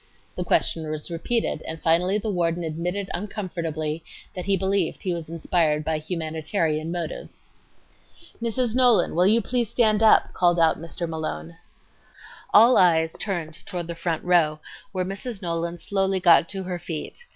The question was repeated, and finally the warden admitted uncomfortably that he believed he was inspired by "humanitarian motives." "Mrs. Nolan, will you please stand up?" called out Mr. Malone. All eyes turned toward the front row, where Mrs. Nolan slowly got to her feet.